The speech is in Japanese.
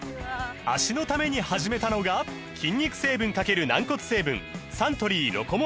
脚のために始めたのが筋肉成分×軟骨成分サントリー「ロコモア」です